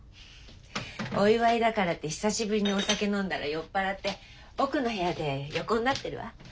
お祝いだからって久しぶりにお酒飲んだら酔っ払って奥の部屋で横になってるわ。